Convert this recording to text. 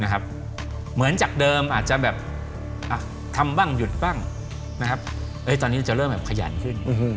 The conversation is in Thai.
เหมือนจากเดิมอาจจะแบบทำบ้างหยุดบ้างตอนนี้จะเริ่มแบบขยันขึ้น